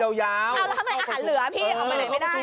เอาแล้วทำไมอาหารเหลือพี่ออกไปไหนไม่ได้